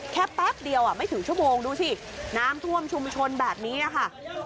แป๊บเดียวไม่ถึงชั่วโมงดูสิน้ำท่วมชุมชนแบบนี้ค่ะ